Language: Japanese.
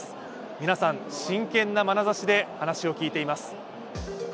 皆さん、真剣なまなざしで話を聞いています。